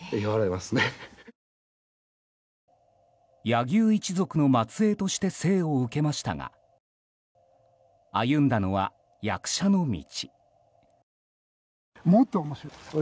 柳生一族の末裔として生を受けましたが歩んだのは、役者の道。